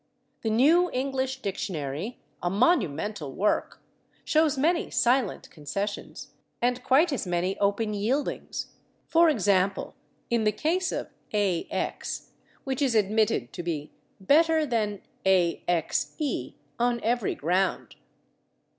The New English Dictionary, a monumental work, shows many silent concessions, and quite as many open yieldings for example, in the case of /ax/, which is admitted to be "better than /axe/ on every ground."